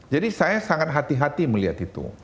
jadi saya sangat hati hati melihat itu